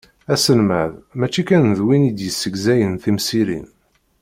Aselmad mačči kan d win i d-yessegzayen timsirin.